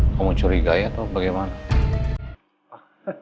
kamu curigai atau bagaimana